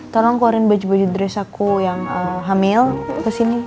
tolong keluarin baju baju dress aku yang hamil kesini